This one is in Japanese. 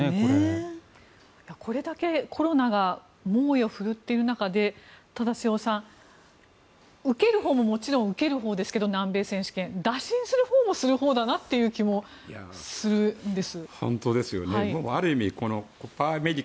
これだけコロナが猛威を振るっている中でただ、瀬尾さん受けるほうももちろん受けるほうですが南米選手権打診するほうもするほうだなという気もするんです。